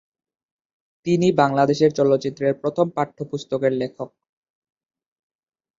তিনি বাংলাদেশের চলচ্চিত্রের প্রথম পাঠ্যপুস্তকের লেখক।